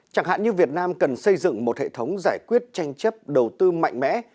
chẳng hạn như việt nam cần xây dựng một hệ thống giải quyết tranh chấp đầu tư mạnh mẽ